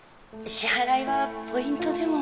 支払いはポイントでも？